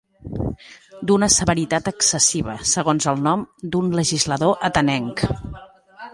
D'una severitat excessiva, segons el nom d'un legislador atenenc.